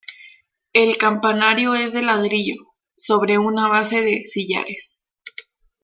El campanario es de ladrillo, sobre una base de sillares.